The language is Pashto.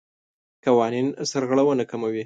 قوانین سرغړونه کموي.